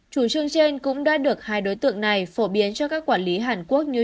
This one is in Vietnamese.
chủ trương trên cũng đã được hai đối tượng này phổ biến cho các quản lý hàn quốc như